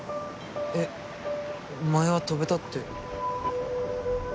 えっ前は飛べたって。